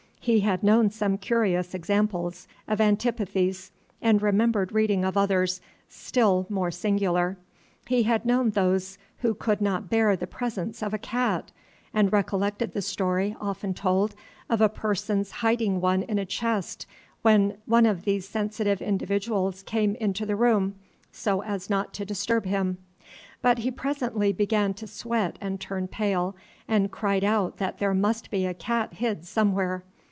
He had known some curious examples of antipathies, and remembered reading of others still more singular. He had known those who could not bear the presence of a cat, and recollected the story, often told, of a person's hiding one in a chest when one of these sensitive individuals came into the room, so as not to disturb him; but he presently began to sweat and turn pale, and cried out that there must be a cat hid somewhere.